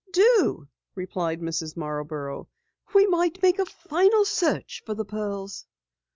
"Do," replied Mrs. Marborough. "We might make a final search for the pearls."